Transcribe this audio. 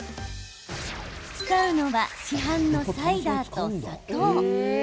使うのは、市販のサイダーと砂糖。